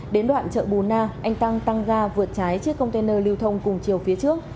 đến đoạn chợ bùn na anh tăng tăng ga vượt trái chiếc container lưu thông cùng chiều phía trước